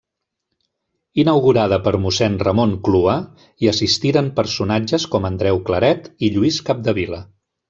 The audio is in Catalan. Inaugurada per mossèn Ramon Clua, hi assistiren personatges com Andreu Claret i Lluís Capdevila.